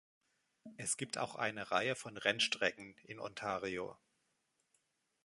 Es gibt auch eine Reihe von Rennstrecken in Ontario.